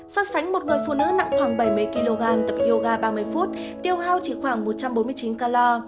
so sánh một người phụ nữ nặng khoảng bảy mươi kg tập yoga ba mươi phút tiêu hao chỉ khoảng một trăm bốn mươi chín calor